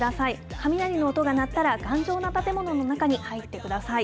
雷の音が鳴ったら、頑丈な建物の中に入ってください。